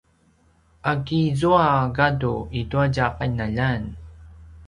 a kizua gadu i tua tja qinaljan?